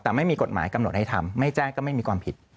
แต่ไม่มีกฎหมายกำหนดให้ทำไม่แจ้งก็ไม่มีความผิด